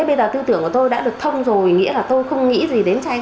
bây giờ tư tưởng của tôi đã được thông rồi nghĩa là tôi không nghĩ gì đến trai gái